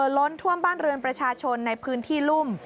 ล้นท่วมบ้านเรือนประชาชนในพื้นที่รุ่ม